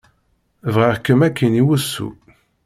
Bɣiɣ-kem akkin i wussu.